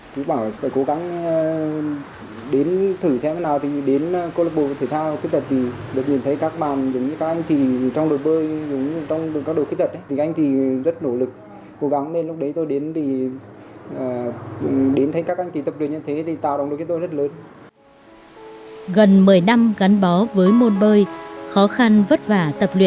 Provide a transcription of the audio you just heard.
chính nhờ thể thao mà trần đình sơn đã đến với câu lạc bộ thể thao người khuyết tật hà nội